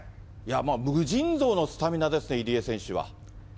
無尽蔵のスタミナですね、入江選手は。